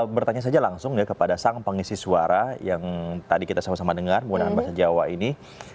bertanya saja langsung ya kepada sang pengisi suara yang tadi kita sama sama dengar menggunakan bahasa jawa ini